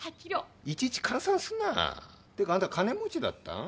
いちいち換算すな！ってかあんた金持ちだったん？